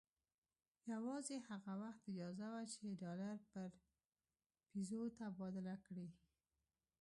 یوازې هغه وخت اجازه وه چې ډالر پر پیزو تبادله کړي.